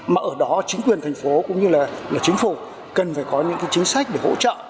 mà ở đó chính quyền thành phố cũng như là chính phủ cần phải có những chính sách để hỗ trợ